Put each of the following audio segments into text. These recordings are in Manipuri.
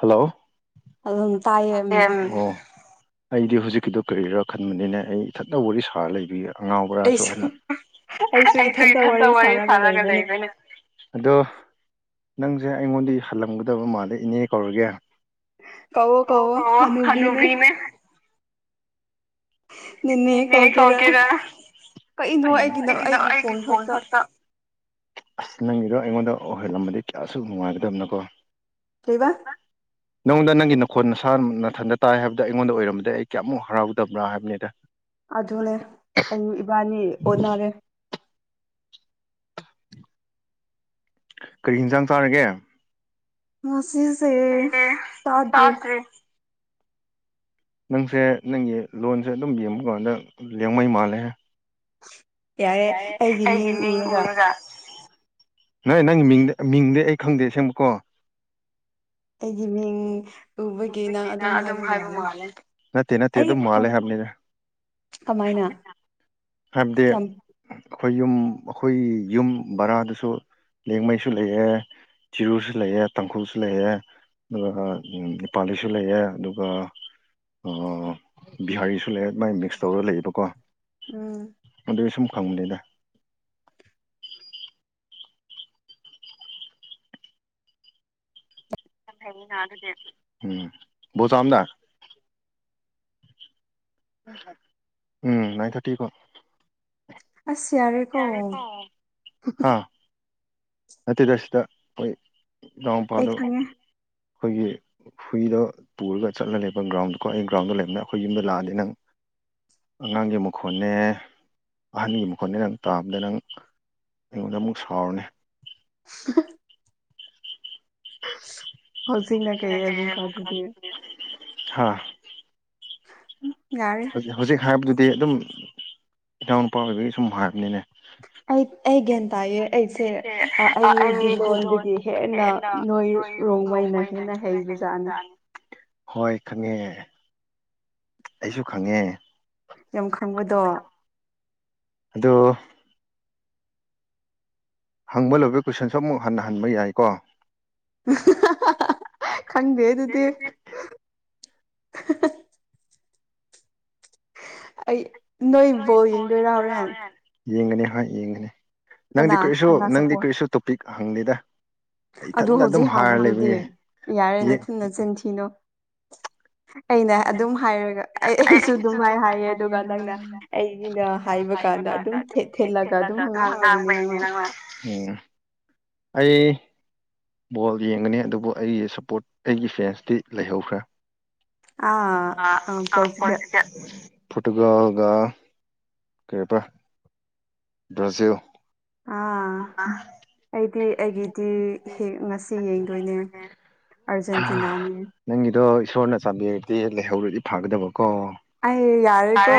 ꯍꯜꯂꯣ ꯑꯗꯨꯝ ꯇꯥꯏꯌꯦ ꯎꯝ ꯑꯣ ꯑꯩꯗꯤ ꯍꯨꯖꯤꯛꯀꯤꯗꯣ ꯀꯔꯤꯔꯥ ꯈꯟꯕꯅꯤꯅꯦ ꯑꯩ ꯏꯊꯟꯗ ꯋꯥꯔꯤ ꯁꯥꯔ ꯂꯩꯕꯒꯤ ꯑꯉꯥꯎꯕꯔꯥꯁꯨ ꯍꯥꯢꯅ ꯑꯩꯁꯨ ꯑꯩꯁꯨ ꯏꯊꯟꯇ ꯋꯥꯔꯤ ꯁꯥꯔꯒ ꯂꯩꯕꯅꯦ ꯑꯗꯣ ꯅꯪꯖꯦ ꯑꯩꯉꯣꯟꯗꯩ ꯍꯜꯂꯝꯒꯗꯕ ꯃꯥꯜꯂꯦ ꯏꯅꯦ ꯀꯧꯔꯒꯦ ꯀꯧꯋꯣ ꯀꯧꯋꯣ ꯍꯅꯨꯕꯤꯅꯦ ꯅꯤꯅꯦ ꯀꯧꯒꯦꯔꯥ ꯀꯩꯅꯣ ꯑꯩꯒꯤꯅ ꯑꯩꯒꯤ ꯐꯣꯟ ꯈꯛꯇ ꯑꯁ ꯅꯪꯒꯤꯗꯣ ꯑꯩꯉꯣꯟꯗ ꯑꯣꯏꯍꯜꯂꯝꯃꯗꯤ ꯀꯌꯥꯁꯨ ꯅꯨꯡꯉꯥꯏꯒꯗꯝꯅꯣꯀꯣ ꯀꯩꯕꯥ ꯅꯪꯉꯣꯟꯗ ꯅꯪꯒꯤ ꯅꯈꯣꯟ ꯅꯁꯥ ꯅꯊꯟꯗ ꯇꯥꯏ ꯍꯥꯏꯕꯗ ꯑꯩꯉꯣꯟꯗ ꯑꯣꯏꯔꯝꯃꯗꯤ ꯑꯩ ꯀꯌꯥꯃꯨꯛ ꯍꯔꯥꯎꯗꯕ꯭ꯔꯥ ꯍꯥꯏꯕꯅꯦꯗ ꯑꯗꯨꯅꯦ ꯑꯩ ꯏꯕꯥꯅꯤ ꯑꯣꯟꯅꯔꯦ ꯀꯔꯤ ꯍꯤꯟꯖꯥꯡ ꯆꯥꯔꯒꯦ ꯉꯁꯤꯁꯦ ꯇꯥꯗ꯭ꯔꯤ ꯅꯪꯁꯦ ꯅꯪꯒꯤ ꯂꯣꯟꯁꯦ ꯑꯗꯨꯝ ꯌꯦꯡꯕ ꯀꯥꯟꯗ ꯂ꯭ꯌꯥꯡꯃꯩ ꯃꯥꯜꯂꯦꯃꯦ ꯌꯥꯔꯦ ꯑꯩꯒꯤ ꯃꯤꯡ ꯎꯔꯒ ꯅꯣꯢ ꯅꯪꯒꯤ ꯃꯤꯡꯗ ꯃꯤꯡꯗꯤ ꯑꯩ ꯈꯪꯗꯦ ꯑꯁꯦꯡꯕꯀꯣ ꯑꯩꯒꯤ ꯃꯤꯡ ꯎꯕꯒꯤ ꯅꯪ ꯑꯗꯨꯝ ꯍꯥꯏꯕ ꯃꯥꯜꯂꯦ ꯅꯠꯇꯦ ꯅꯠꯇꯦ ꯑꯩꯒꯤ ꯑꯗꯨꯝ ꯈꯣ ꯃꯥꯜꯂꯦ ꯍꯥꯏꯕꯅꯤꯅ ꯀꯃꯥꯏꯅ ꯍꯥꯏꯕꯗꯤ ꯌꯥꯝ ꯑꯈꯣꯏ ꯌꯨꯝ ꯑꯈꯣꯏꯒꯤ ꯌꯨꯝ ꯕꯔꯥꯗꯁꯨ ꯂ꯭ꯌꯦꯃꯩꯁꯨ ꯂꯩꯌꯦ ꯆꯤꯔꯨꯁꯨ ꯂꯩꯌꯦ ꯇꯥꯡꯈꯨꯜꯁꯨ ꯂꯩꯌꯦ ꯑꯗꯨꯒ ꯎꯝ ꯄꯥꯥꯂꯤꯁꯨ ꯂꯩꯌꯦ ꯑꯗꯨꯒ ꯑ ꯕꯤꯍꯥꯔꯤꯁꯨ ꯂꯩꯔꯦ ꯑꯗꯨꯃꯥꯏ ꯃꯤꯛꯁ ꯇꯧꯔ ꯂꯩꯌꯦꯕꯀꯣ ꯎꯝ ꯗꯨꯢ ꯁꯨꯝ ꯈꯪꯕꯅꯤꯗ [unintelligible] ꯎꯝ ꯅꯥꯢꯟ ꯊꯥꯔꯇꯤꯐꯥꯎ ꯌꯥꯔꯦꯀꯣ ꯍꯥ ꯅꯠꯇꯦꯗ ꯁꯤꯗ ꯑꯈꯣꯏ ꯑꯩ ꯏꯅꯥꯎꯅꯨꯄꯥꯗꯣ ꯈꯪꯉꯦ ꯑꯈꯣꯏꯒꯤ ꯍꯨꯏꯗꯣ ꯄꯨꯔꯒ ꯆꯠꯂ ꯂꯩꯕ ꯒ꯭ꯔꯥꯎꯟꯗꯀꯣ ꯑꯩ ꯒ꯭ꯔꯥꯎꯟꯗ ꯂꯩꯕꯅꯦ ꯑꯈꯣꯏ ꯌꯨꯝꯗ ꯂꯥꯛꯑꯗꯤ ꯅꯪ ꯑꯉꯥꯡꯒꯤ ꯃꯈꯣꯟꯅꯦ ꯑꯍꯟꯒꯤ ꯃꯈꯣꯟꯅꯦ ꯅꯪ ꯇꯥꯕꯗ ꯅꯪ ꯑꯩꯉꯣꯟꯗ ꯑꯃꯨꯛ ꯁꯥꯎꯔꯅꯤ [unintelligible] ꯍꯧꯖꯤꯛꯅ ꯀꯩ ꯍꯥꯏꯕꯨꯡ ꯈꯥꯗꯗꯤ ꯍꯥ ꯌꯥꯔꯦ ꯍꯧꯖꯤꯛ ꯍꯧꯖꯤꯛ ꯍꯥꯏꯕꯗꯨꯗꯤ ꯑꯗꯨꯝ ꯏꯅꯥꯎ ꯅꯨꯨꯄꯥ ꯑꯣꯏꯕꯒꯤ ꯁꯨꯝ ꯍꯥꯏꯕꯅꯤꯅꯦ ꯑꯩ ꯑꯩ ꯒ꯭ꯌꯥꯟ ꯇꯥꯏꯌꯦ ꯑꯩꯁꯦ ꯑ ꯑꯩꯒꯤꯗꯤ ꯂꯣꯟꯗꯗꯤ ꯍꯦꯟꯅ ꯅꯣꯏ ꯔꯣꯡꯃꯩꯅ ꯍꯦꯟꯅ ꯍꯩꯕꯖꯥꯠꯅꯦ ꯍꯣꯢ ꯈꯪꯉꯦ ꯑꯩꯁꯨ ꯈꯪꯉꯦ ꯌꯥꯝ ꯈꯪꯕꯗꯣ ꯑꯗꯣ ꯍꯪꯕ ꯂꯣꯏꯕ ꯀꯣꯏꯁꯟꯁꯨ ꯑꯃꯨꯛ ꯍꯟꯅ ꯍꯟꯕ ꯌꯥꯏꯀꯣ [unintelligible] ꯈꯪꯗꯦ ꯑꯗꯨꯗꯤ [unintelligible] ꯑꯩ ꯅꯣꯏ ꯕꯣꯜ ꯌꯦꯡꯗꯣꯏꯔꯥ ꯍꯣꯔꯦꯟ ꯌꯦꯡꯒꯅꯤ ꯍꯣꯏ ꯌꯦꯡꯒꯅꯤ ꯅꯪꯗꯤ ꯀꯅꯥ ꯀꯔꯤꯁꯨ ꯀꯅꯥ ꯅꯪꯗꯤ ꯁꯞꯄꯣꯔꯠ ꯀꯔꯤꯁꯨ ꯇꯣꯄꯤꯛ ꯍꯪꯗꯦꯗ ꯑꯗꯨ ꯏꯊꯟꯗ ꯑꯗꯨꯝ ꯍꯧꯖꯤꯛ ꯍꯥꯏꯔ ꯍꯥꯡꯕꯗꯨꯗꯤ ꯂꯩꯕꯒꯤ ꯌꯥꯔꯦ ꯅꯊꯨꯟ ꯅꯆꯤꯟ ꯊꯤꯅꯨ ꯑꯩꯅ ꯑꯗꯨꯝ ꯍꯥꯏꯔꯒ ꯑꯩ ꯑꯩꯁꯨ ꯑꯗꯨꯝꯃꯥꯢ ꯍꯥꯏꯌꯦ ꯑꯗꯨꯒ ꯅꯪꯅ ꯑꯩꯒꯤꯅ ꯍꯥꯏꯕ ꯀꯥꯟꯗ ꯑꯗꯨꯝ ꯊꯦꯊꯦ ꯊꯤꯜꯂꯒ ꯑꯗꯨꯝ ꯍꯪꯉꯥꯡꯕꯩꯅꯦ ꯅꯪꯅ ꯎꯝ ꯑꯩ ꯕꯣꯜ ꯌꯦꯡꯒꯅꯤ ꯑꯗꯨꯕꯨ ꯑꯩ ꯁꯞꯄꯣꯔꯠ ꯑꯩꯒꯤ ꯐꯦꯟꯁꯇꯤ ꯂꯩꯍꯧꯈ꯭ꯔꯦ ꯑꯥ ꯑꯝ [unintelligible] ꯄꯣꯔꯇꯨꯒꯜꯒ ꯀꯔꯤꯕ ꯕ꯭ꯔꯥꯖꯤꯜ ꯑꯥ ꯑꯩꯗꯤ ꯑꯩꯒꯤꯗꯤ ꯍꯤ ꯉꯁꯤ ꯌꯦꯡꯗꯣꯏꯅꯦ ꯑꯥꯔꯖꯦꯟꯇꯤꯅꯥꯅꯦ ꯅꯪꯒꯤꯗꯣ ꯏꯁꯣꯔꯅ ꯆꯥꯟꯕꯤꯔꯗꯤ ꯂꯩꯍꯧꯔꯗꯤ ꯐꯥꯒꯗꯕ ꯑꯩ ꯌꯥꯔꯦꯀꯣ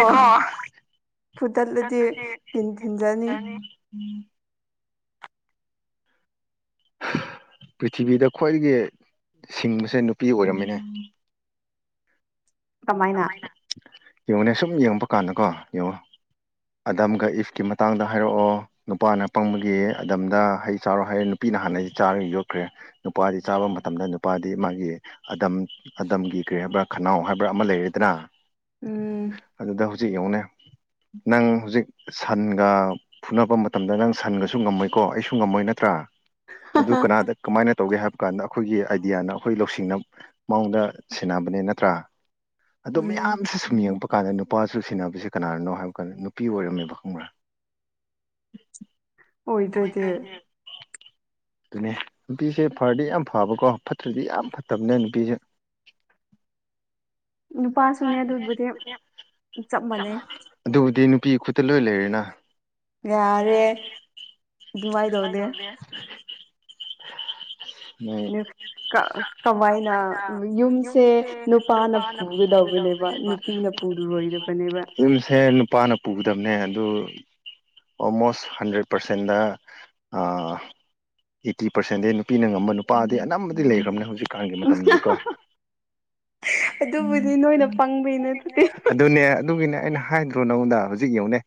ꯐꯨꯗꯠꯂꯗꯤ ꯀꯤꯟ ꯊꯤꯟꯖꯅꯤ ꯎꯝ ꯄ꯭ꯔꯤꯊꯤꯕꯤꯗ ꯈ꯭ꯋꯥꯏꯗꯒꯤ ꯁꯤꯡꯕꯁꯦ ꯅꯨꯄꯤ ꯑꯣꯏꯔꯝꯃꯦꯅꯦ ꯀꯃꯥꯏꯅ ꯌꯦꯡꯉꯨꯅꯦ ꯁꯨꯝ ꯌꯦꯡꯉꯛꯄ ꯀꯥꯟꯗꯀꯣ ꯌꯦꯡꯉꯣ ꯑꯗꯝꯒ ꯏꯐꯀꯤ ꯃꯇꯥꯡꯗ ꯍꯥꯏꯔꯛꯑꯣ ꯅꯨꯄꯥꯅ ꯄꯪꯕꯒꯤ ꯑꯗꯝꯗ ꯍꯩ ꯆꯥꯔꯣ ꯍꯥꯏꯌꯦ ꯅꯨꯄꯤ ꯅ ꯍꯥꯟꯅ ꯆꯥꯔ ꯌꯣꯠꯈ꯭ꯔꯦ ꯅꯨꯄꯥꯗꯤ ꯆꯥꯕ ꯃꯇꯝꯗ ꯅꯨꯄꯥꯗꯤ ꯃꯥꯒꯤ ꯑꯗꯝ ꯑꯗꯝꯒꯤ ꯀ꯭ꯔꯤ ꯍꯥꯏꯕ ꯈꯅꯥꯎ ꯍꯥꯏꯕ꯭ꯔꯥ ꯑꯃ ꯂꯩꯔꯦꯗꯅꯥ ꯎꯝ ꯑꯗꯨꯗ ꯍꯧꯖꯤꯛ ꯌꯦꯡꯉꯨꯅꯦ ꯅꯪ ꯍꯧꯖꯤꯛ ꯁꯟꯒ ꯐꯨꯅꯕ ꯃꯇꯝꯗ ꯅꯪ ꯁꯟꯒꯁꯨ ꯉꯝꯃꯣꯏꯀꯣ ꯑꯩꯁꯨ ꯉꯝꯃꯣꯏ ꯅꯠꯇ꯭ꯔꯥ ꯔꯥ ꯑꯗꯨ ꯀꯅꯥꯗ ꯀꯃꯥꯏꯅ ꯇꯧꯒꯦ ꯍꯥꯏꯕ ꯀꯥꯟꯗ ꯑꯈꯣꯏꯒꯤ ꯑꯥꯏꯗꯤꯌꯥꯅ ꯑꯈꯣꯏ ꯂꯧꯁꯤꯡꯅ ꯃꯥꯉꯣꯟꯗ ꯁꯦꯟꯅꯕꯅꯦ ꯅꯠꯇ꯭ꯔꯥ ꯑꯗꯣ ꯎꯝ ꯃꯌꯥꯝꯁꯦ ꯁꯨꯝ ꯌꯦꯡꯕ ꯀꯥꯟꯗ ꯅꯨꯄꯥꯁꯨ ꯁꯤꯟꯅꯕꯁꯤ ꯀꯅꯥꯅꯅꯣ ꯍꯥꯏꯕ ꯀꯥꯟꯗ ꯅꯨꯄꯤ ꯑꯣꯏꯔꯝꯃꯦꯕ ꯈꯪꯕ꯭ꯔꯥ [inaudible] ꯑꯣꯢꯗ꯭ꯔꯗꯤ [inaudible] ꯑꯗꯨꯅꯦ ꯅꯨꯄꯤꯁꯦ ꯐꯔꯗꯤ ꯌꯥꯝ ꯐꯕꯀꯣ ꯐꯠꯇ꯭ꯔꯗꯤ ꯌꯥꯝ ꯐꯠꯇꯝꯅꯦ ꯅꯨꯄꯤꯖꯦ [inaudible] ꯅꯨꯄꯥꯁꯨꯅꯦ [unintelligible] ꯑꯗꯨꯕꯨꯗꯤ ꯆꯞ ꯃꯥꯟꯅꯩ ꯑꯗꯨꯕꯨꯗꯤ ꯅꯨꯄꯤꯒꯤ ꯈꯨꯠ ꯗ ꯂꯣꯏ ꯂꯩꯔꯦꯅꯥ ꯌꯥꯔꯦ ꯑꯗꯨꯃꯥꯏꯅ ꯇꯧꯗꯦ ꯍꯥꯏꯗꯧꯅꯦ [unintelligible] ꯀꯥ ꯀꯃꯥꯏꯅ ꯌꯨꯝꯁꯦ ꯅꯨꯄꯥꯅ ꯄꯨꯒꯗꯧꯕꯅꯦꯕ ꯅꯨꯄꯤꯅ ꯄꯨꯔꯣꯏꯗꯕꯅꯦꯕ ꯌꯨꯝꯁꯦ ꯅꯨꯄꯥꯅ ꯄꯨꯒꯗꯕꯅꯦ ꯑꯗꯨ ꯑꯣꯜꯃꯣꯁ ꯍꯟꯗ꯭ꯔꯦꯠ ꯄ꯭ꯔꯁꯦꯟꯗ ꯑꯥ ꯑꯩꯠꯇꯤ ꯄ꯭ꯔꯁꯦꯟꯗꯤ ꯅꯨꯄꯤꯅ ꯉꯝꯕ ꯅꯨꯄꯥꯗꯤ ꯑꯅꯝꯕꯗꯤ ꯂꯩꯈ꯭ꯔꯕꯅꯦ ꯍꯧꯖꯤꯛ ꯀꯥꯟꯒꯤ ꯃꯇꯝꯗꯤꯀꯣ ꯑꯗꯨꯕꯨꯗꯤ ꯅꯣꯏꯅ ꯄꯪꯕꯩꯅꯦ ꯑꯗꯨꯗꯤ [unintelligible] ꯑꯗꯨꯅꯦ ꯑꯗꯨꯒꯤꯅꯦ ꯑꯩꯅ ꯍꯥꯏꯗ꯭ꯔꯣ ꯅꯪꯉꯣꯟꯗ ꯍꯧꯖꯤꯛ ꯍꯧꯖꯤꯛ ꯌꯦꯡꯉꯣꯅꯦ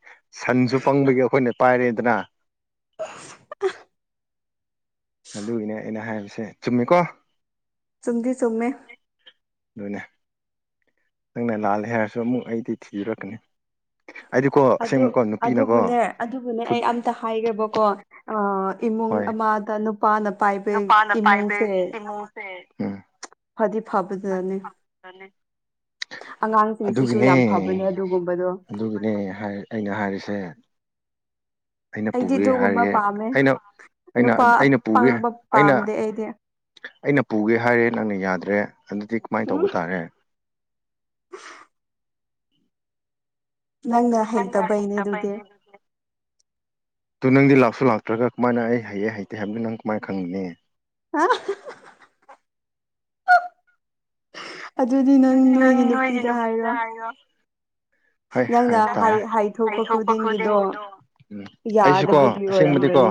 ꯁꯟꯁꯨ ꯄꯪꯕꯒꯤ ꯑꯩꯈꯣꯏꯅ ꯄꯥꯏꯔꯦꯗꯅ [inaudible] ꯑꯗꯨꯒꯤꯅꯦ ꯑꯩꯅ ꯍꯥꯏꯕꯁꯦ ꯆꯨꯝꯃꯤꯀꯣ ꯆꯨꯝꯗꯤ ꯆꯨꯝꯃꯦ ꯑꯗꯨꯅꯦ ꯅꯪꯅ ꯂꯥꯜꯂꯦ ꯍꯥꯏꯔꯁꯨ ꯑꯃꯨꯛ ꯑꯩꯗꯤ ꯊꯤꯔꯛꯀꯅꯤ ꯑꯩꯗꯤꯀꯣ ꯑꯗꯨ ꯑꯁꯦꯡꯕꯀꯣ ꯅꯨꯄꯤꯅꯀꯣ ꯑꯗꯨꯕꯨꯅꯦ ꯑꯗꯨꯕꯨꯅꯦ ꯐꯨꯠ ꯑꯩ ꯑꯝꯇ ꯍꯥꯏꯒꯦꯕꯀꯣ ꯑꯥ ꯏꯃꯨꯡ ꯍꯣꯏ ꯑꯃꯗ ꯅꯨꯄꯥꯅ ꯄꯥꯏꯕ ꯏꯃꯨꯡꯁꯦ ꯎꯝ ꯐꯕ ꯖꯠꯅꯤ ꯑꯉꯥꯡꯁꯤꯡꯁꯤꯁꯨ ꯑꯗꯨꯒꯤꯅꯦ ꯌꯥꯝ ꯐꯕꯅꯦ ꯑꯗꯨꯒꯨꯝꯕꯗꯣ ꯑꯗꯨꯒꯤꯅꯦ ꯍꯥꯏ ꯑꯩꯅ ꯍꯥꯏꯔꯤꯁꯦ ꯑꯩꯅ ꯑꯩꯗꯤ ꯄꯨꯒꯦ ꯑꯗꯨꯒꯨꯝꯕ ꯍꯥꯏꯔꯦ ꯄꯥꯝꯃꯦ ꯑꯩꯅ ꯑꯩꯅ ꯅꯨꯄꯥ ꯑꯩꯅ ꯄꯨꯒꯦ ꯑꯄꯪꯕ ꯑꯩꯅ ꯄꯥꯝꯗꯦ ꯑꯩꯗꯤ ꯑꯩꯅ ꯄꯨꯒꯦ ꯍꯥꯏꯔꯦ ꯅꯪꯅ ꯌꯥꯗ꯭ꯔꯦ ꯑꯗꯨꯗꯤ ꯀꯃꯥꯏ ꯎꯝ ꯇꯧꯕ ꯇꯥꯔꯦ ꯅꯪꯅ ꯍꯩꯇꯕꯩꯅꯤ ꯑꯗꯨꯗꯤ ꯑꯗꯨ ꯅꯪꯗꯤ ꯂꯥꯛꯁꯨ ꯂꯥꯛꯇ꯭ꯔꯒ ꯀꯃꯥꯏꯅ ꯑꯩ ꯍꯩꯌꯦ ꯍꯩꯇꯦ ꯍꯥꯏꯕꯗꯨ ꯅꯪ ꯀꯃꯥꯏꯅ ꯈꯪꯒꯅꯤ [unintelligible] ꯑꯗꯨꯗꯤ ꯅꯪ ꯅꯣꯏꯒꯤ ꯅꯨꯄꯤꯗ ꯍꯥꯏꯔꯣ ꯍꯣꯏ ꯅꯪꯅ ꯍꯥꯏꯕ ꯍꯥꯏ ꯇꯥꯔꯦ ꯍꯥꯏꯊꯣꯛꯄ ꯈꯨꯗꯤꯡꯒꯤꯗꯣ ꯎꯝ ꯌꯥꯗꯕꯒꯤ ꯑꯣꯏꯔꯝꯒ ꯒꯅꯤ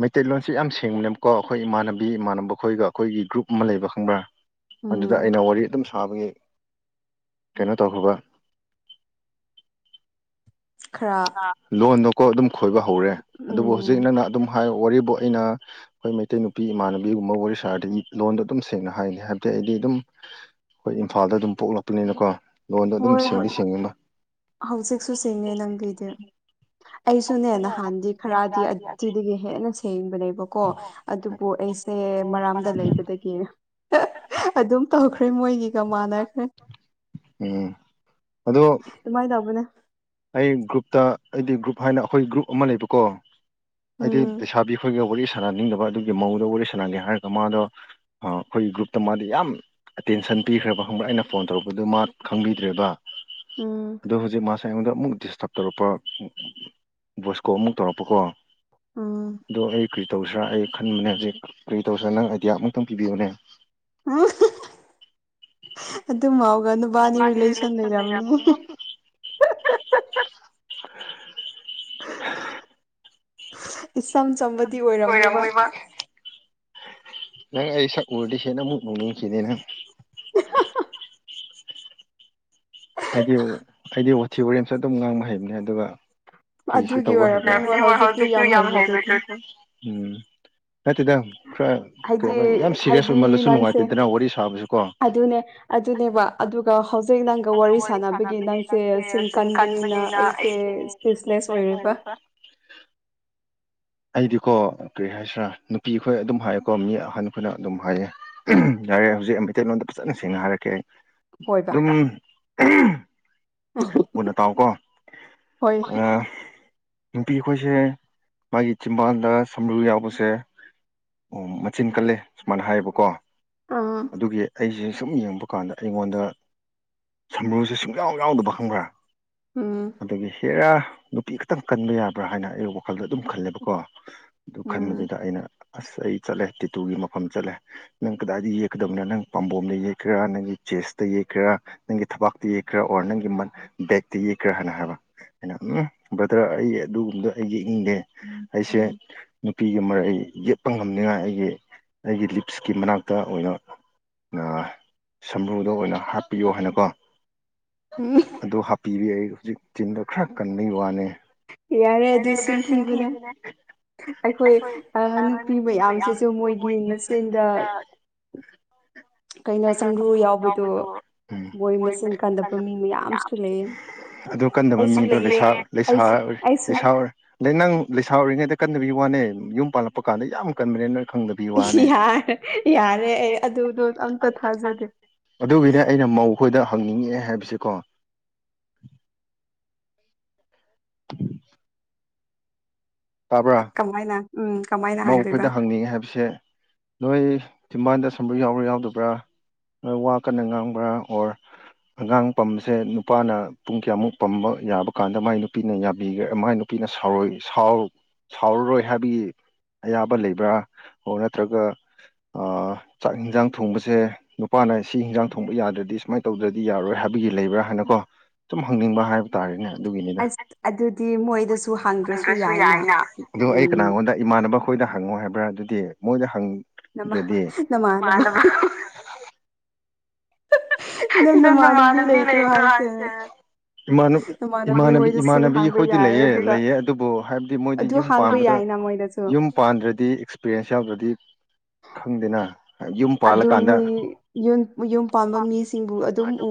ꯃꯩꯇꯩ ꯂꯣꯟꯁꯤ ꯌꯥꯝꯁꯤ [unintelligible] ꯑꯩꯈꯣꯏ ꯏꯃꯥꯟꯅꯕꯤ ꯏꯃꯥꯟꯅꯕ ꯑꯩꯈꯣꯏꯒ ꯑꯩꯈꯣꯏꯒꯤ ꯒ꯭ꯔꯨꯞ ꯑꯃ ꯂꯩꯕ ꯈꯪꯕ꯭ꯔꯥ ꯑꯗꯨꯗ ꯎꯝ ꯑꯩꯅ ꯋꯥꯔꯤ ꯑꯗꯨꯝ ꯁꯕꯒꯤ ꯀꯩꯅꯣ ꯇꯧꯈꯔꯕ ꯈꯔ ꯂꯣꯟꯗꯣꯀꯣ ꯑꯗꯨꯝ ꯈꯣꯏꯕ ꯍꯧꯔꯦ ꯑꯗꯨꯕꯨ ꯍꯧꯖꯤꯛ ꯎꯝ ꯅꯪꯅ ꯑꯗꯨꯝ ꯍꯥꯏ ꯋꯥꯔꯤꯕꯨ ꯑꯩꯅ ꯑꯩꯈꯣꯏ ꯃꯩꯇꯩ ꯅꯨꯄꯤ ꯏꯃꯥꯟꯅꯕꯤꯒꯨꯝꯕ ꯋꯥꯔꯤ ꯁꯥꯔꯗꯤ ꯂꯣꯟꯗꯣ ꯑꯗꯨꯝ ꯁꯦꯡꯅ ꯍꯥꯏ ꯍꯥꯏꯕꯗꯤ ꯑꯩꯗꯤ ꯑꯗꯨꯝ ꯑꯩꯈꯣꯏ ꯏꯝꯐꯥꯜꯗ ꯑꯗꯨꯝ ꯄꯣꯛꯂꯛꯄꯅꯤꯅꯀꯣ ꯂꯣꯟꯗꯣ ꯑꯗꯨꯝ ꯍꯣꯏ ꯁꯦꯡꯗꯤ ꯁꯦꯡ ꯍꯧꯖꯤꯛꯁꯨ ꯁꯤꯡꯉꯦ [unintelligible] ꯅꯪꯒꯤꯗꯤ ꯑꯩꯁꯨꯅꯦ ꯅꯍꯥꯟꯗꯤ ꯈꯔꯗꯤ ꯑꯁꯤꯗꯒꯤ ꯍꯦꯟꯅ ꯁꯦꯡꯕꯅꯦꯕꯀꯣ ꯑꯗꯨꯕꯨ ꯑꯩ ꯑꯩꯁꯦ ꯃꯔꯥꯝꯗ ꯂꯩꯕꯗꯒꯤ ꯑꯗꯨꯝ ꯇꯧꯈ꯭ꯔꯦ ꯃꯣꯏꯅꯤꯒ ꯃꯥꯟꯅꯈ꯭ꯔꯦ ꯎꯝ ꯑꯗꯣ ꯗꯨꯃꯥꯏ ꯇꯧꯕꯅꯦ ꯑꯩ ꯒ꯭ꯔꯨꯞꯇ ꯑꯩꯗꯤ ꯒ꯭ꯔꯨꯞ ꯍꯥꯏꯅ ꯑꯩꯈꯣꯏ ꯒ꯭ꯔꯨꯞ ꯑꯃ ꯂꯩꯕꯀꯣ ꯍꯥꯏꯗꯤ ꯎꯝ ꯂꯩꯁꯥꯕꯤ ꯈꯣꯏꯒ ꯋꯥꯔꯤ ꯁꯥꯟꯅꯅꯤꯡꯗꯕ ꯑꯗꯨꯒꯤ ꯃꯧꯗ ꯋꯥꯔꯤ ꯁꯥꯟꯅꯒꯦ ꯍꯥꯏꯔꯒ ꯃꯥꯗꯣ ꯑꯩꯈꯣꯏꯒꯤ ꯒ꯭ꯔꯨꯞꯇ ꯃꯥꯗꯤ ꯌꯥꯝ ꯑꯦꯇꯦꯟꯁꯟ ꯄꯤꯈ꯭ꯔꯦꯕ ꯈꯪꯕ꯭ꯔꯥ ꯑꯩꯅ ꯐꯣꯟ ꯇꯧꯔꯛꯄꯗꯨ ꯃꯥ ꯈꯪꯕꯤꯗ꯭ꯔꯦꯕ ꯎꯝ ꯑꯗꯣ ꯍꯧꯖꯤꯛ ꯃꯥ ꯑꯩꯉꯣꯟꯗ ꯑꯃꯨꯛ ꯗꯤꯁꯇ꯭ꯔꯕ ꯇꯧꯔꯛꯄ ꯚꯣꯏꯁ ꯀꯣꯜ ꯑꯃꯨꯛ ꯇꯧꯔꯛꯄꯀꯣ ꯎꯝ ꯑꯗꯣ ꯑꯩ ꯀꯔꯤ ꯇꯧꯁꯤꯔꯥ ꯑꯩ ꯈꯟꯕꯅꯦ ꯍꯧꯖꯤꯛ ꯀꯔꯤ ꯇꯧꯁꯤꯔꯥ ꯅꯪ ꯑꯥꯏꯗꯤꯌꯥ ꯑꯃꯨꯛꯇꯪ ꯄꯤꯕꯤꯌꯨꯅꯦ [unintelligible] ꯑꯗꯨ ꯃꯥꯎ ꯃꯥꯗꯤ ꯔꯤꯂꯦꯁꯟ ꯂꯩꯔꯝꯅꯤꯉꯣ ꯏꯆꯝ ꯆꯝꯕꯗꯤ ꯑꯣꯏꯔꯝꯃꯣꯏꯕ ꯅꯪ ꯑꯩ ꯁꯛ ꯎꯔꯗꯤ ꯍꯦꯟꯅꯃꯨꯛ ꯅꯨꯡꯁꯤꯅꯤ ꯅꯪ ꯑꯩꯗꯤ ꯑꯩꯗꯤ ꯋꯥꯊꯤ ꯋꯥꯔꯦꯝꯁꯨ ꯑꯗꯨꯝ ꯉꯥꯡꯕ ꯍꯩꯕꯅꯦ ꯑꯗꯨꯒ ꯐꯒꯤꯁꯨ ꯑꯗꯨꯒꯤ ꯇꯧꯕ ꯑꯣꯏꯔꯝꯅꯤ ꯍꯩꯕꯅꯦ ꯍꯣꯏ ꯍꯧꯖꯤꯛꯇꯤ ꯌꯥꯝ ꯍꯩꯕꯗꯨꯗꯤ ꯎꯝ ꯅꯠꯇꯦꯗ ꯈꯔ ꯍꯥꯏꯗꯤ ꯌꯥꯝ ꯁꯦꯔꯤꯌꯁ ꯍꯥꯏꯗꯤ ꯑꯣꯏꯃꯜꯂꯁꯨ ꯅꯪꯁꯦ ꯅꯨꯡꯉꯥꯏꯇꯦꯗꯅ ꯋꯥꯔꯤ ꯁꯥꯕꯁꯨ ꯀꯣ ꯑꯗꯨꯅꯦ ꯑꯗꯨꯅꯦꯕ ꯑꯗꯨꯒ ꯍꯧꯖꯤꯛ ꯅꯪ ꯋꯥꯔꯤ ꯁꯥꯟꯅꯕꯒꯤ ꯅꯪꯁꯦ ꯆꯤꯟ ꯀꯟꯕꯅꯤꯅ ꯑꯩꯁꯦ ꯏꯁꯄꯤꯁꯂꯦꯁ ꯑꯣꯏꯔꯦꯕ [inaudible] ꯑꯩꯗꯤꯀꯣ ꯀꯔꯤ ꯍꯥꯏꯁꯤ꯭ꯔꯥ ꯅꯨꯄꯤꯈꯣꯏ ꯑꯗꯨꯝ ꯍꯥꯏꯌꯦꯀꯣ ꯃꯤ ꯑꯍꯟꯈꯣꯏꯅ ꯑꯗꯨꯝ ꯍꯥꯏꯌꯦ ꯑꯩ ꯍꯧꯖꯤꯛ ꯑꯩ ꯃꯩꯇꯩꯂꯣꯟꯗ ꯐꯖꯅ ꯁꯦꯡꯅ ꯍꯥꯏꯔꯛꯀꯦ ꯍꯣꯏꯕ ꯃꯨꯟꯅ ꯇꯥꯎꯀꯣ ꯍꯣꯏ ꯑ ꯅꯨꯄꯤ ꯈꯣꯏꯁꯦ ꯃꯥꯒꯤ ꯆꯤꯝꯕꯥꯜꯗ ꯁꯝꯕ꯭ꯔꯨ ꯌꯥꯎꯕꯁꯦ ꯑꯣ ꯃꯆꯤꯟ ꯀꯜꯂꯦ ꯁꯨꯃꯥꯏꯅ ꯍꯥꯏꯌꯦꯕꯀꯣ ꯑꯥ ꯑꯗꯨꯒꯤ ꯑꯩꯁꯦ ꯁꯨꯝ ꯌꯦꯡꯕ ꯀꯥꯟꯗ ꯑꯩꯉꯣꯟꯗ ꯁꯝꯕ꯭ꯔꯨꯁꯦ ꯁꯨꯡꯌꯥꯎ ꯌꯥꯎꯗꯕ ꯈꯪꯕ꯭ꯔꯥ ꯎꯝ ꯑꯗꯒꯤ ꯍꯦꯔꯥ ꯅꯨꯄꯤ ꯈꯛꯇꯪ ꯀꯟꯕ ꯌꯕ꯭ꯔꯥ ꯍꯥꯏꯅ ꯑꯩ ꯋꯥꯈꯜꯗ ꯑꯗꯨꯝ ꯈꯜꯂꯦꯕꯀꯣ ꯑꯗꯨ ꯎꯝ ꯈꯟꯕꯗꯨꯗ ꯑꯩꯅ ꯑꯁ ꯑꯩ ꯆꯠꯂꯦ ꯇꯤꯇꯨꯒꯤ ꯃꯐꯝ ꯆꯠꯂꯦ ꯅꯪ ꯀꯗꯥꯏꯗ ꯌꯦꯛꯀꯗꯕ ꯅꯪ ꯄꯥꯝꯕꯣꯝꯗ ꯌꯦꯛꯀꯦꯔꯥ ꯅꯪꯒꯤ ꯆꯦꯁꯇ ꯌꯦꯛꯦꯔꯥ ꯅꯪꯒꯤ ꯊꯕꯥꯛꯇ ꯌꯦꯛꯀꯦꯔꯥ ꯑꯣꯔ ꯅꯪꯒꯤ ꯕꯦꯛꯇ ꯌꯦꯛꯀꯦꯔꯥ ꯍꯥꯏꯅ ꯍꯥꯏꯕ ꯎꯝ ꯕꯗ꯭ꯔꯥ ꯑꯩ ꯑꯗꯨꯒꯨꯝꯕ ꯑꯩ ꯌꯦꯛꯅꯤꯡꯗꯦ ꯑꯩꯁꯦ ꯅꯨꯄꯤꯒ ꯃꯔꯩ ꯌꯦꯠꯄ ꯉꯝꯅꯤꯉꯥꯏ ꯑꯩꯒꯤ ꯑꯩꯒꯤ ꯂꯤꯞꯁꯀꯤ ꯃꯅꯥꯛꯇ ꯑꯣꯏꯅ ꯁꯝꯕꯔꯨꯗ ꯑꯣꯏꯅ ꯍꯥꯞꯄꯤꯌꯣ ꯍꯥꯏꯅꯀꯣ ꯎꯝ ꯑꯗꯨ ꯍꯥꯞꯄꯤꯔꯦ ꯑꯩ ꯍꯧꯖꯤꯛ ꯆꯤꯟꯗꯣ ꯈꯔ ꯀꯟꯕꯩ ꯋꯥꯅꯦ ꯌꯥꯔꯦ ꯑꯗꯨ ꯆꯤꯟꯊꯤꯕꯅꯦ ꯑꯩꯈꯣꯏ ꯅꯨꯄꯤ ꯃꯌꯥꯝꯁꯤꯁꯨ ꯃꯣꯏꯒꯤ ꯅꯆꯤꯟꯗ ꯁꯝꯕ꯭ꯔꯨ ꯌꯥꯎꯕꯗꯣ ꯃꯣꯏ ꯃꯆꯤꯟ ꯀꯟꯗꯕ ꯃꯤ ꯀꯟꯗꯕꯁꯨ ꯌꯥꯝ ꯃꯌꯥꯝꯁꯨ ꯂꯩ ꯂꯩꯌꯦ ꯑꯗꯨ ꯀꯟꯗꯕ ꯑꯩꯁꯨ ꯃꯤꯗꯣ ꯂꯩꯌꯦ ꯂꯩꯁꯥ ꯂꯩꯁꯥ ꯑꯩꯁꯨ ꯑꯩꯁꯨ ꯂꯩꯁꯥ ꯑꯣꯏ ꯑꯗꯩ ꯅꯪ ꯂꯩꯁꯥ ꯑꯣꯏꯔꯤꯉꯩꯗ ꯀꯟꯕꯒꯤ ꯋꯥꯅꯦ ꯌꯨꯝ ꯄꯥꯜꯂꯛꯄ ꯀꯥꯟꯗ ꯌꯥꯝ ꯀꯟꯕꯅꯦ ꯅꯪ ꯈꯪꯗꯕꯒꯤ ꯋꯥꯅꯦ ꯌꯥꯔꯦ ꯌꯥꯔꯦ ꯑꯩ ꯑꯗꯨꯗꯣ ꯑꯝꯇ ꯊꯥꯖꯗꯦ ꯑꯗꯨꯒꯤꯅꯦ ꯑꯩꯅ ꯃꯧꯈꯣꯏꯗ ꯍꯪꯅꯤꯡꯉꯛꯑꯦ ꯍꯥꯏꯕꯁꯦꯀꯣ ꯇꯥꯕ꯭ꯔꯥ ꯀꯃꯥꯏꯅ ꯎꯝ ꯀꯃꯥꯏꯅ ꯍꯥꯡꯗꯣꯏꯕ ꯃꯧꯈꯣꯏꯗ ꯍꯪꯅꯤꯡꯉꯦ ꯍꯥꯏꯕꯁꯦ ꯅꯣꯏ ꯆꯤꯝꯕꯥꯟꯗ ꯁꯝꯕ꯭ꯔꯨ ꯌꯥꯎꯕ꯭ꯔꯥ ꯌꯥꯎꯗꯕ꯭ꯔꯥ ꯋꯥ ꯀꯟꯅ ꯉꯥꯡꯕ꯭ꯔꯥ ꯑꯣꯔ ꯑꯉꯥꯡ ꯄꯝꯕꯁꯦ ꯅꯨꯄꯥꯅ ꯄꯨꯡ ꯀꯌꯥꯃꯨꯛ ꯄꯝꯕ ꯌꯥꯕ ꯀꯥꯟꯗ ꯃꯥꯏ ꯅꯨꯄꯤꯅ ꯌꯥꯕꯤꯒ꯭ꯔꯦ ꯃꯥꯏ ꯅꯨꯄꯤꯅ ꯁꯥꯎꯔꯣꯏ ꯁꯥꯎꯔꯔꯣꯏ ꯍꯥꯏꯕꯒꯤ ꯑꯌꯥꯕ ꯂꯩꯕ꯭ꯔꯥ ꯑꯣꯔ ꯅꯠꯇ꯭ꯔꯒ ꯆꯥꯛ ꯏꯟꯖꯥꯡ ꯊꯣꯡꯕꯁꯦ ꯅꯨꯄꯥꯅ ꯁꯤ ꯍꯟꯖꯥꯡ ꯊꯣꯡꯕ ꯌꯥꯗ꯭ꯔꯗꯤ ꯁꯨꯃꯥꯏꯅ ꯇꯧꯗ꯭ꯔꯗꯤ ꯌꯥꯔꯣꯏ ꯍꯥꯏꯕ ꯒꯤ ꯂꯩꯕ꯭ꯔꯥ ꯍꯥꯏꯅꯀꯣ ꯁꯨꯝ ꯍꯪꯅꯤꯡꯕ ꯍꯥꯏꯕ ꯇꯥꯔꯦꯅꯦ ꯑꯗꯨꯒꯤꯅꯤꯗ ꯑꯁ ꯑꯗꯨꯗꯤ ꯃꯣꯏꯗꯁꯨ ꯍꯥꯡꯗ꯭ꯔꯁꯨ ꯌꯥꯏꯅ ꯑ ꯑꯩ ꯎꯝ ꯀꯅꯥꯒꯣꯟꯗ ꯏꯃꯥꯟꯅꯕ ꯈꯣꯏꯗ ꯍꯪꯉꯣ ꯍꯥꯏꯕ꯭ꯔꯥ ꯑꯗꯨꯗꯤ ꯃꯣꯏꯗ ꯅꯃꯥ ꯍꯪꯗ꯭ꯔꯗꯤ ꯅꯃꯥꯟꯅꯕ ꯅꯪ ꯅꯃꯥꯟꯅꯕꯤ ꯅꯃꯥꯟꯕꯗꯤ ꯂꯩꯇ꯭ꯔꯣ ꯂꯩꯇꯔꯣ ꯍꯥꯏꯁꯦ ꯍꯥꯢꯁꯦ ꯏꯃꯥꯟꯅꯨꯕ ꯅꯃꯥꯟꯅꯕꯤ ꯏꯃꯥꯟꯅꯕꯤ ꯍꯣꯏꯗꯁꯨ ꯢꯃꯥꯟꯅꯕꯤ ꯍꯥꯡꯕ ꯑꯩꯈꯣꯏꯗꯤ ꯌꯥꯏ ꯂꯩꯑ ꯑꯗꯨꯒ ꯂꯩꯌꯦ ꯑꯗꯨꯕꯨ ꯍꯥꯏꯕꯗꯤ ꯃꯣꯏꯗꯤ ꯑꯗꯨ ꯌꯨꯝ ꯍꯥꯡꯕ ꯄꯥꯟꯕꯗ ꯌꯥꯏꯅ ꯃꯣꯏꯗꯁꯨ ꯌꯨꯝꯄꯥꯟꯗ꯭ꯔꯗꯤ ꯑꯦꯛꯁꯄꯤꯔꯤꯌꯦꯟꯁ ꯌꯥꯎꯗ꯭ꯔꯗꯤ ꯈꯪꯗꯦꯅꯥ ꯑꯗꯨ ꯃꯤ ꯌꯨꯝ- ꯌꯨꯝ ꯄꯥꯟꯕ ꯃꯤꯁꯤꯡ ꯑꯗꯨ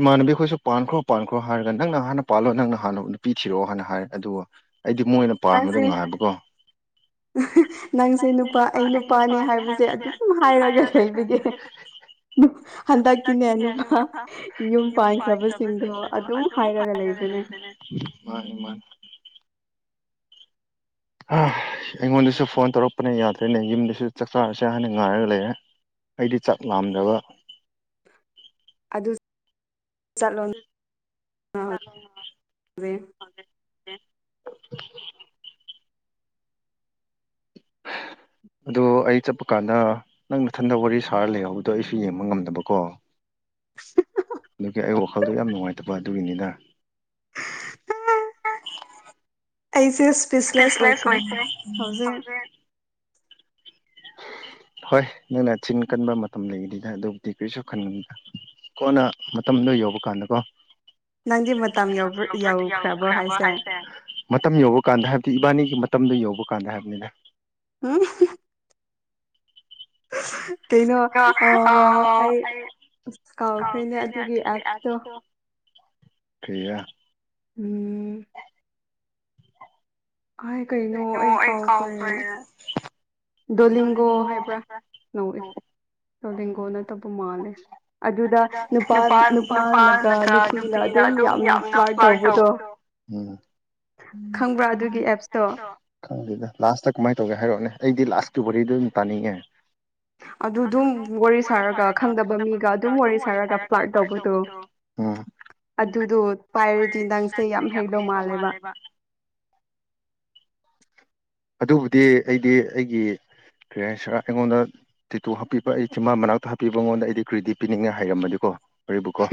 ꯏꯃꯥꯟꯅꯕꯤ ꯑꯩꯈꯣꯏꯁꯨ ꯄꯥꯟꯈ꯭ꯔꯣ- ꯄꯥꯟꯈ꯭ꯔꯣ ꯍꯥꯏꯔꯒ ꯅꯪꯅ ꯍꯥꯟꯅ ꯄꯥꯜꯂꯣ ꯅꯪꯅ ꯍꯥꯟꯅ ꯅꯨꯄꯤ ꯊꯤꯔꯛꯑꯣ ꯍꯥꯏ ꯑꯗꯨꯒꯥ ꯑꯩꯗꯤ ꯃꯣꯏꯅꯥꯄꯥꯟꯕꯗꯣ ꯅꯪꯁꯦ ꯉꯥꯏꯕꯀꯣ ꯅꯪꯁꯦ ꯅꯨꯄꯥ ꯑꯩ ꯅꯨꯄꯥꯅꯦ ꯍꯥꯏꯕꯁꯦ ꯑꯗꯨꯝꯎꯝ ꯍꯥꯏꯔꯒ ꯂꯩꯕꯒꯤ INAUDIBLE ꯍꯟꯗꯛꯇꯤꯅꯦ ꯅꯨꯄꯥꯑꯥ ꯌꯨꯝ ꯄꯥꯟꯈ꯭ꯔꯕꯁꯤꯡꯗꯣ ꯑꯗꯨꯝ ꯍꯥꯏꯔ ꯔꯒ ꯂꯩꯕꯅꯦ ꯃꯥꯟꯅꯤꯃꯥꯟꯅꯤ ꯑꯩꯁ ꯑꯩꯉꯣꯟꯗꯁꯨ ꯐꯣꯟ ꯇꯧꯔꯛꯄꯅ ꯌꯥꯗ꯭ꯔꯦꯅꯦ ꯌꯨꯝꯗꯁꯨ ꯆꯥꯛ- ꯆꯥꯔꯁꯦ ꯍꯥꯢꯅ ꯉꯥꯏꯔꯒ ꯂꯩꯔꯦ ꯑꯩꯗꯤ ꯆꯥꯛꯂꯥꯝꯗꯕ UNINTELLIGIBLE INAUDIBLE INAUDIBLE ꯑꯗꯣ ꯑꯩ ꯆꯠꯄꯀꯥꯟꯗꯥ ꯅꯪ ꯃꯊꯟꯗ ꯋꯥꯔꯤ ꯁꯥꯔ ꯂꯩꯍꯧꯕꯗꯣ ꯑꯩꯁꯨ ꯌꯦꯡꯕꯉꯝꯗꯕꯀꯣ ꯑꯗꯨꯒꯤ ꯑꯩ ꯋꯥꯈꯜꯗꯣ ꯌꯥꯝꯅꯨꯡꯉꯥꯏꯇꯕ ꯑꯗꯨꯒꯤꯅꯤꯗ INAUDIBLE ꯑꯩꯖꯦ ꯏꯁꯄꯤꯁꯤꯂꯤꯁ ꯑꯣꯏꯈ꯭ꯔꯦ ꯍꯧꯖꯤꯛ ꯍꯣꯏ ꯅꯪꯅ ꯆꯤꯟꯀꯟꯕ ꯃꯇꯝ ꯂꯩꯒꯅꯤꯗ ꯑꯗꯨꯕꯨꯗꯤ ꯀ꯭ꯔꯤꯁꯨ ꯈꯟꯒꯅꯨꯗ ꯀꯣꯟꯅꯥ ꯃꯇꯝꯗꯣ ꯌꯧꯕꯀꯥꯟꯗꯀꯣ ꯅꯪꯗꯤ ꯃꯇꯝ ꯌꯧꯕ ꯍꯥꯢꯗꯨ ꯌꯧꯈ꯭ꯔꯕꯣ ꯍꯥꯢꯁꯦ ꯃꯇꯝ ꯌꯧꯕꯀꯥꯟꯗ ꯍꯥꯥꯏꯕꯗꯤ ꯏꯕꯥꯅꯤꯒꯤ ꯃꯇꯥꯝ ꯃꯇꯝꯗꯣ ꯌꯧꯕ ꯀꯥꯟꯗ ꯍꯥꯏꯕꯅꯤꯗ UNINTELLIGIBLE ꯀꯩꯅꯣ ꯑꯥ ꯑꯣ ꯑꯩ ꯑꯁ ꯑꯧ ꯀꯥꯎꯈ꯭ꯔꯦꯅꯦ ꯑꯗꯨꯒꯤ ꯁꯤꯗꯪꯖꯤꯗ ꯑꯦꯞꯇꯣ ꯑꯗꯨꯒꯤꯗꯣ ꯀ꯭ꯔꯤꯔꯥ ꯎꯎꯪ ꯀꯩꯅꯣ ꯑꯩ ꯀꯥꯎꯈ꯭ꯔꯦ ꯗꯣꯂꯤꯡꯒꯣ ꯍꯥꯏꯕ꯭ꯔꯥ ꯅꯣꯛꯑꯦ ꯗꯣꯂꯤꯡꯒꯣ ꯅꯠꯇꯕ ꯃꯥꯜꯂꯦ ꯑꯗꯨꯗꯥ ꯅꯨꯄꯥ- ꯅꯨꯄꯥꯅꯒ ꯅꯨꯄꯤꯅ ꯑꯗꯨꯝ ꯌꯥꯝꯅ ꯐ꯭ꯔꯥꯠ ꯇꯧꯕꯗꯣ ꯎꯝ ꯈꯪꯕ꯭ꯔꯥ ꯑꯗꯨꯒꯤ ꯑꯦꯞꯁꯇꯣ ꯈꯪꯗꯦꯗ ꯂꯥꯁꯇ ꯀꯃꯥꯏꯅ ꯇꯧꯒꯦ ꯍꯥꯏꯔꯣꯅꯦ ꯑꯩꯗꯤ ꯂꯥꯠꯁꯀꯤ ꯋꯥꯔꯤꯗꯣ ꯑꯣꯢꯅ ꯇꯥꯅꯤꯡꯉꯦ ꯑꯗꯨꯗꯨꯝ ꯋꯥꯔꯤ ꯁꯥꯔꯒ ꯈꯪꯗꯕ ꯃꯤꯒ ꯑꯗꯨꯝ ꯋꯥꯔꯤ ꯁꯥꯔꯒ ꯐ꯭ꯔꯥꯠ ꯇꯧꯕꯗꯨ ꯑꯗꯨꯗꯣ ꯄꯥꯏꯔꯗꯤ ꯅꯪꯁꯦ ꯌꯥꯝ ꯍꯩꯗꯧ ꯃꯥꯜꯂꯦꯕ ꯑꯗꯨꯕꯨꯗꯤ ꯑꯩꯗꯤꯑꯩꯒꯤ ꯀꯔꯤ ꯍꯥꯏꯤꯁꯔ ꯑꯩꯉꯣꯟꯗ ꯇꯤꯇꯨ ꯍꯥꯞꯄꯤꯕ ꯑꯩ ꯆꯤꯟꯕꯥꯟ ꯃꯅꯥꯛꯇ ꯍꯥꯞꯄꯤꯕ ꯃꯉꯣꯟꯗ ꯑꯩꯗꯤ ꯀ꯭ꯔꯤꯗꯤꯠ ꯄꯤꯅꯤꯡꯉꯦ ꯍꯥꯏꯔꯝꯕꯅꯤ ꯀꯣ ꯋꯥꯔꯤꯕꯨꯀꯣ